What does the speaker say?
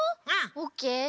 オッケー。